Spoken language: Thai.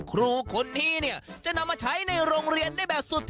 ขอร้องเวลาลองดีที่ดีนะครับ